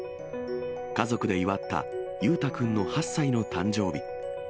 家族で祝った優太君の８歳の誕生日。